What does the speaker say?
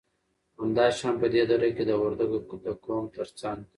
همدا شان په دې دره کې د وردگو د قوم تر څنگ